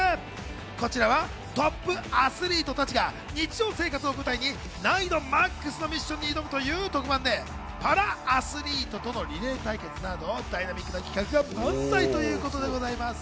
こちらはトップアスリートたちが日常生活を舞台に難易度ＭＡＸのミッションに挑むという特番で、パラアスリートとのリレー対決など、ダイナミックな企画が満載です。